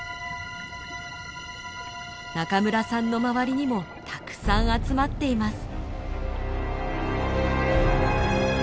中村さんの周りにもたくさん集まっています。